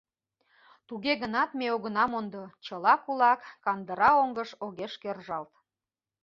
Туге гынат ме огына мондо: чыла кулак кандыра оҥгыш огеш кержалт.